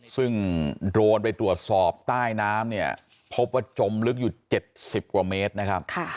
ซึ่งโดรนไปตรวจสอบใต้น้ำเนี่ยพบว่าจมลึกอยู่๗๐กว่าเมตรนะครับ